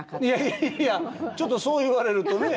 いやいやちょっとそう言われるとね。